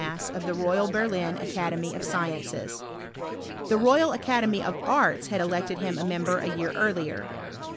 s of the Royal Berlin Academy of Sciences. The Royal Academy of Arts had elected him a member a year earlier.